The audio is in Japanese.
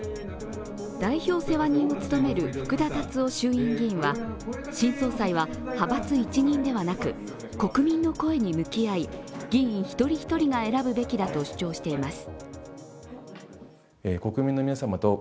代表世話人を務める福田達夫衆院議員は新総裁は派閥一任ではなく、国民の声に向き合い、議員一人一人が選ぶべきだと主張しています。